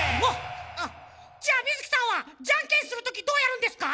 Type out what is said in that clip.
じゃあ水木さんはじゃんけんするときどうやるんですか？